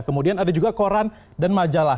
kemudian ada juga koran dan majalah